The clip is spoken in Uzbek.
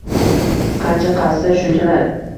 Qancha qazsa, shunchalar